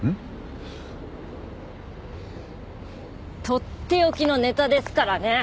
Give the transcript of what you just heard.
とっておきのネタですからね！